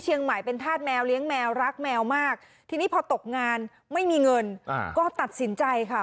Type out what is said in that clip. หมายเป็นธาตุแมวเลี้ยงแมวรักแมวมากทีนี้พอตกงานไม่มีเงินก็ตัดสินใจค่ะ